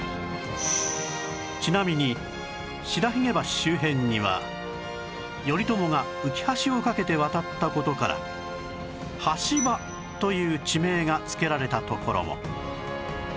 ちなみに白鬚橋周辺には頼朝が浮き橋を架けて渡った事から橋場という地名が付けられた所も